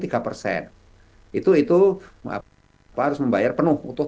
itu itu harus membayar penuh utuh tiga